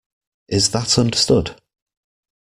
Is that understood?